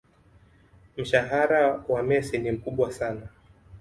mshahara wa Messi ni mkubwa sana